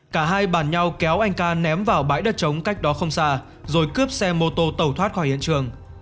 cả hai bàn nhau kéo anh ca ném vào bãi đất trống cách đó không xa rồi cướp xe mô tô tẩu thoát khỏi hiện trường